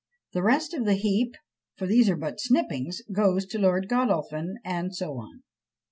The rest of the heap, for these are but snippings, goes to Lord Godolphin, and so on.